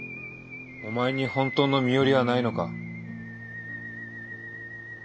お前に本当の身寄りはないのか？